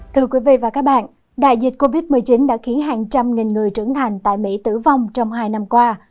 thưa quý vị và các bạn đại dịch covid một mươi chín đã khiến hàng trăm nghìn người trưởng thành tại mỹ tử vong trong hai năm qua